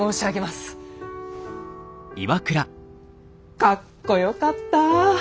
かっこよかったぁ！